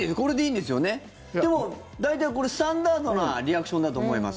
でも、大体これ、スタンダードなリアクションだと思います。